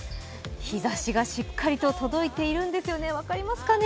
日ざしがしっかりと届いているんですよね、分かりますかね。